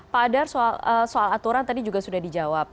pak adar soal aturan tadi juga sudah dijawab